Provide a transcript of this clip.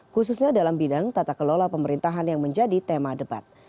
khususnya dalam bidang tata kelola pemerintahan yang menjadi tema debat